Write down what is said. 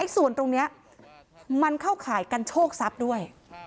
ส่วนตรงนี้มันเข้าข่ายกันโชคทรัพย์ด้วย